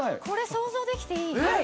これ想像できていい。